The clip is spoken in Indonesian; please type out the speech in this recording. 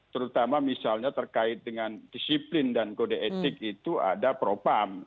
terutama misalnya terkait dengan disiplin dan kode etik itu ada propam